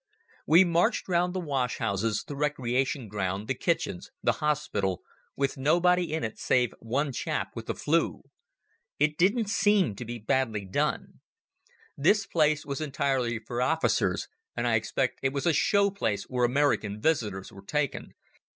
We marched round the wash houses, the recreation ground, the kitchens, the hospital—with nobody in it save one chap with the "flu." It didn't seem to be badly done. This place was entirely for officers, and I expect it was a show place where American visitors were taken.